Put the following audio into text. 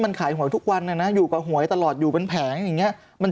มันขายหวยทุกวันนะนะอยู่กับหวยตลอดอยู่เป็นแผงอย่างนี้